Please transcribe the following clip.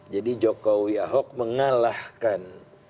jadi joko wiyahok mengalahkan